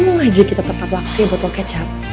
tunggu aja kita tetap lakuin botol kecap